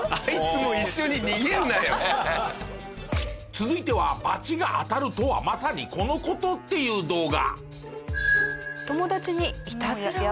続いてはバチが当たるとはまさにこの事っていう動画。